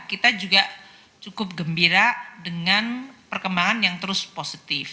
kita juga cukup gembira dengan perkembangan yang terus positif